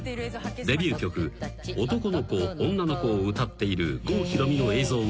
［デビュー曲『男の子女の子』を歌っている郷ひろみの映像を発見］